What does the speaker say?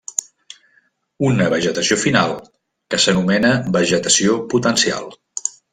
Una vegetació final que s'anomena vegetació potencial.